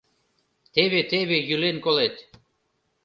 Теве-теве йӱлен колет.